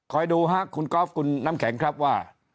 คอยดูครับคุณกรอบคุณน้ำแข็งครับว่า